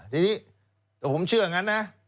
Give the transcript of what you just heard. ทีนี้ผมเชื่ออย่างนั้นนะ